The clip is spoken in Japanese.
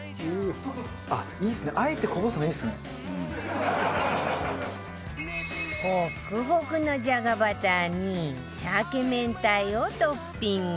ホックホクのじゃがバターにしゃけめんたいをトッピング